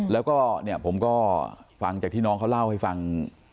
แล้วก็เนี่ยผมก็ฟังจากที่น้องเขาเล่าให้ฟัง